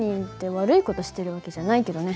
悪い事してる訳じゃないけどね。